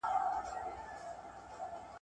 پکښي بند سول د مرغانو وزرونه `